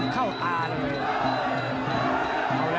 เข้าตาเลย